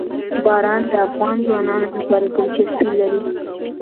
باران د افغان ځوانانو لپاره دلچسپي لري.